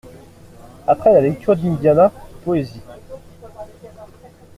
Après la lecture d'Indiana, poésie.